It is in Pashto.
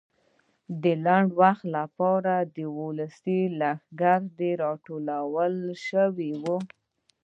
د لنډ وخت لپاره د ولسي لښکر راټولول شو وو.